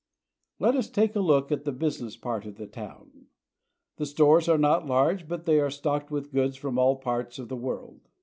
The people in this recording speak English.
Let us take a look at the busi ness part of the town. The stores are not large, but they are stocked with goods from all parts of the world.